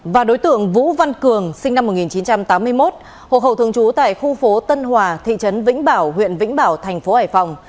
và đối tượng vũ văn cường sinh năm một nghìn chín trăm tám mươi một hộp hậu thường trú tại khu phố tân hòa thị trấn vĩnh bảo huyện vĩnh bảo tp hcm